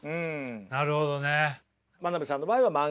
なるほどね。